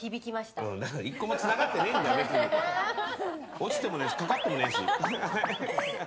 落ちてもねえしかかってもねえし。